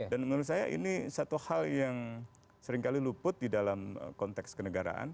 dan menurut saya ini satu hal yang seringkali luput di dalam konteks kenegaraan